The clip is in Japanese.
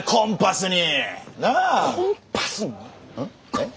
えっ？